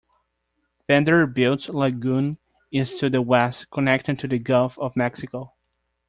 Vanderbilt Lagoon is to the west, connecting to the Gulf of Mexico.